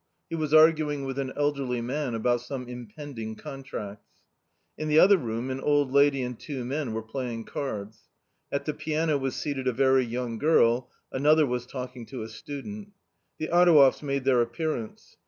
He was arguing with an elderly man about some impending contracts. In the other room an old lady and two men were playing cards. At the piano was seated a very young girl, another was talking to a student. The Adouevs made their appearance.